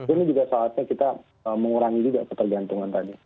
ini juga saatnya kita mengurangi juga ketergantungan tadi